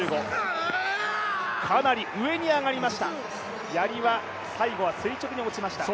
かなり上に上がりました